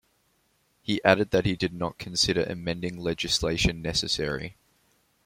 He added that he did not consider amending legislation necessary.